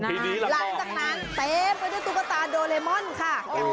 หลังจากนั้นเต็มมันก็จะตุ๊กตาโดเรมอนค่ะ